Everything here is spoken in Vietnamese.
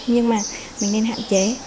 nhưng mà mình nên hạn chế